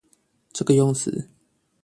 這個用詞